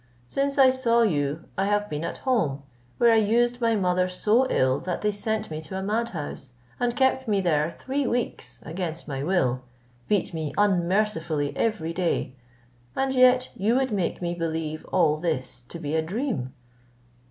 Since I saw you I have been at home, where I used my mother so ill that they sent me to a mad house, and kept me there three weeks against my will, beat me unmercifully every day, and yet you would make me believe all this to be a dream."